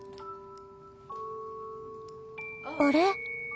あれ？